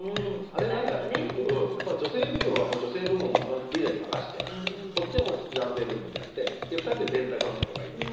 あれ何かっていうとやっぱ女性部門は女性部門のあのリーダーに任せてこっちはこっちで男性部門でやって２人で全体を考えればいい。